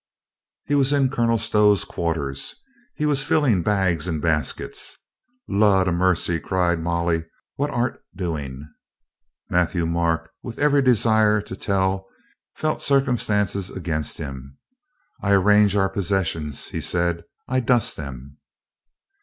He was in Colonel Stow's quarters. He was filling bags and baskets. "Lud a mercy!" cried Molly. "What art doing?" Matthieu Marc with every desire to tell a He felt circumstances against him. "I — I arrange our pos sessions," he said. "I — I dust them."